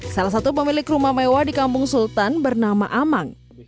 salah satu pemilik rumah mewah di kampung sultan bernama aman